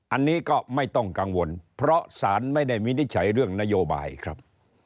อันนี้ก็ไม่ต้องกังวลเพราะสารไม่ได้วินิจฉัยเรื่องนโยบายครับ